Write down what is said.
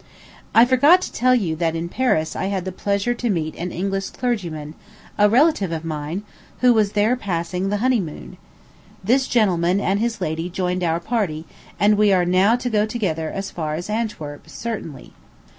I forgot to tell you that in Paris I had the pleasure to meet an English clergyman, a relative of mine, who was there passing the honey moon. This gentleman and his lady joined our party; and we are now to go together as far as Antwerp, certainly.